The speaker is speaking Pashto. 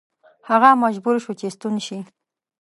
هغه مجبور شو چې ستون شي.